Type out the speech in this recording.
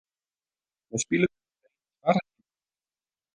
Hja spilet en traint twaris yn de wike.